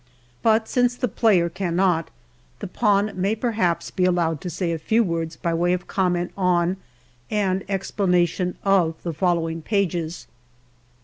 But since the player cannot, the pawn may perhaps be allowed to say a few words by way of comment on and explanation of the following pages.